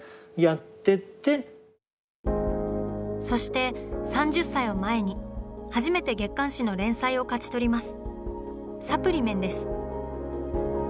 そして３０歳を前に初めて月刊誌の連載を勝ち取ります。